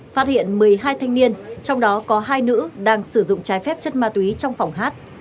phát hiện một mươi hai thanh niên trong đó có hai nữ đang sử dụng trái phép chất ma túy trong phòng hát